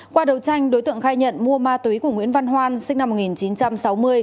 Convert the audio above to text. qua đầu tranh đối tượng khai nhận mua ma túy của nguyễn văn hoan sinh năm một nghìn chín trăm sáu mươi